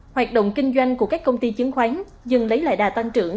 hoạt động kinh doanh của các công ty chứng khoán dần lấy lại đà tăng trưởng